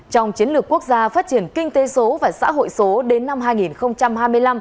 trong chiến lược quốc gia phát triển kinh tế số và xã hội số đến năm hai nghìn hai mươi năm